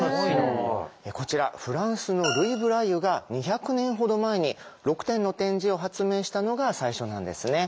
こちらフランスのルイ・ブライユが２００年ほど前に６点の点字を発明したのが最初なんですね。